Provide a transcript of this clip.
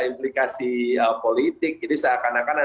implikasi politik jadi seakan akan ada